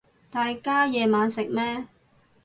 大家夜晚食咩